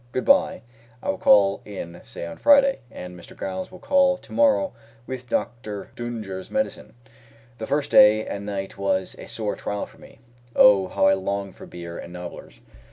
Good bye. I will call in, say on Friday, and Mr. Giles will call to morrow with Dr. D'Unger's medicine." The first day and night was a sore trial for me. Oh, how I longed for beer and nobblers!